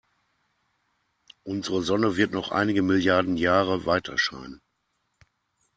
Unsere Sonne wird noch einige Milliarden Jahre weiterscheinen.